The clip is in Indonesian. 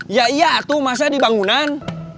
ya iya atu masa dibangunan